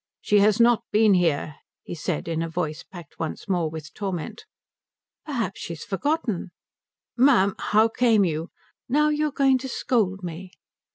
"She has not been here," he said, in a voice packed once more with torment. "Perhaps she has forgotten." "Ma'am, how came you " "Now you're going to scold me."